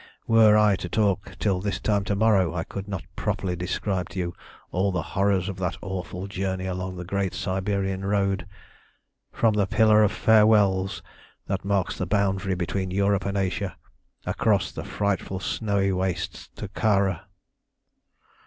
"Were I to talk till this time to morrow I could not properly describe to you all the horrors of that awful journey along the Great Siberian road, from the Pillar of Farewells that marks the boundary between Europe and Asia across the frightful snowy wastes to Kara.